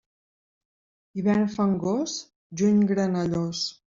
Hivern fangós, juny granellós.